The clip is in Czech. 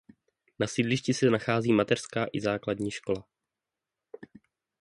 Na sídlišti se nachází mateřská i základní škola.